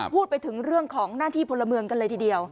พูดถึงเรื่องของหน้าที่พลเมืองกันเลยทีเดียว